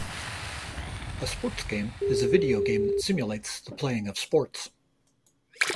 A sports game is a video game that simulates the playing of sports.